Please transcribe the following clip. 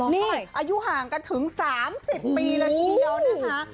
นี่อายุห่างกันถึง๓๐ปีเลยทีเดียวนะคะ